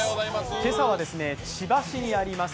今朝は千葉市にあります